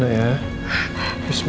ya allah ya tuhan